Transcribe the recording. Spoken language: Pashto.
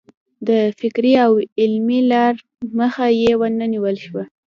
د فکري او علمي لار مخه یې ونه نیول شوه.